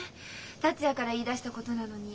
達也から言いだしたことなのに。